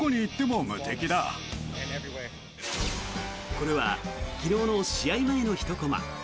これは昨日の試合前のひとコマ。